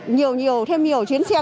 nhiều nhiều thêm nhiều chuyến xe